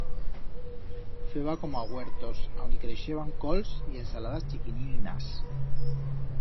Feban coma huertos a on i creixeban cols y ensaladas chiquininas.